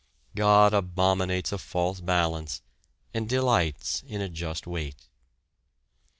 God abominates a false balance, and delights in a just weight.